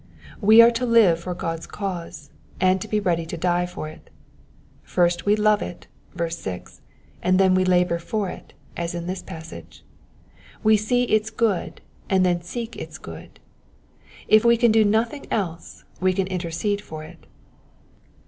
We are to live for God's cause, and to be ready to die for it. First we love it (verse 6) and then we labour for it, as in this passage : we see its good, and then seek its good. If we can do nothing else we can intercede for it.